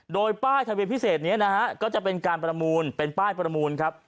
โดยป้ายทะเบียนพิเศษนี้นะฮะก็จะเป็นการประมูลเป็นป้ายประมูลครับ